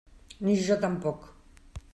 Ni jo tampoc.